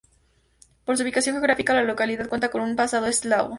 Por su ubicación geográfica, la localidad cuenta con un pasado eslavo.